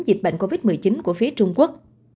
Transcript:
dịch bệnh covid một mươi chín của phía trung quốc